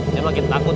dia makin takut